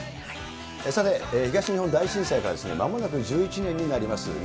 さて、東日本大震災からまもなく１１年になります。